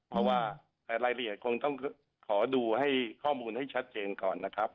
เพราะว่ารายละเอียดคงต้องขอดูให้ข้อมูลให้ชัดเจนก่อนนะครับ